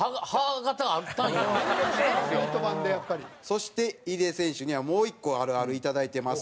そして入江選手にはもう１個あるあるいただいてます。